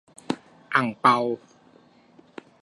- อั่งเปา